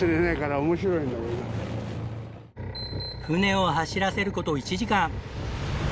船を走らせること１時間。